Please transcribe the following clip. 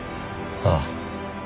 ああ。